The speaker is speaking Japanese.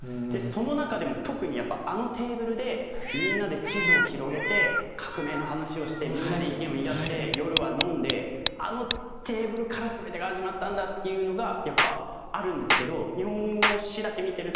その中でも特にやっぱ「あのテーブルでみんなで地図を広げて革命の話をしてみんなで意見を言い合って夜は飲んであのテーブルから全てが始まったんだ」っていうのがやっぱあるんですけど。